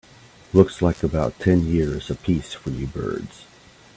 Looks like about ten years a piece for you birds.